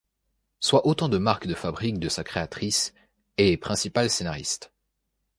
Soit autant de marques de fabrique de sa créatrice, et principale scénariste.